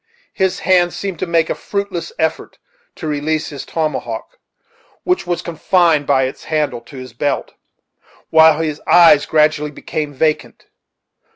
His hand seemed to make a fruitless effort to release his tomahawk, which was confined by its handle to his belt, while his eyes gradually became vacant.